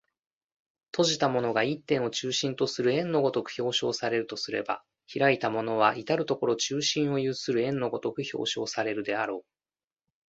閉じたものが一点を中心とする円の如く表象されるとすれば、開いたものは到る処中心を有する円の如く表象されるであろう。